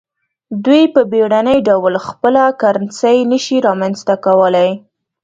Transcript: دوی په بیړني ډول خپله کرنسي نشي رامنځته کولای.